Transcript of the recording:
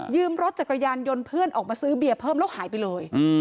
รถจักรยานยนต์เพื่อนออกมาซื้อเบียร์เพิ่มแล้วหายไปเลย